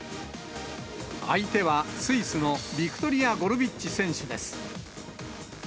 相手はスイスのビクトリア・ゴルビッチ選手です。